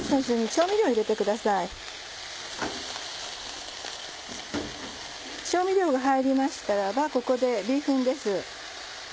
調味料が入りましたらばここでビーフンです。